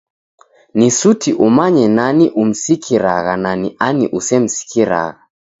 Ni suti umanye nani umsikiragha na ni ani usemsikiragha